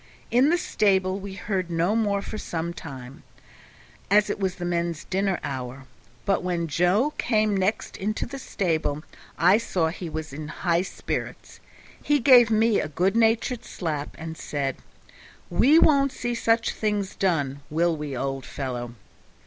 In the stable we heard no more for some time, as it was the men's dinner hour, but when Joe came next into the stable I saw he was in high spirits; he gave me a good natured slap, and said, "We won't see such things done, will we, old fellow?"